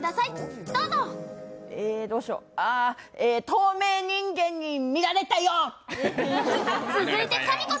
透明人間に見られたよ！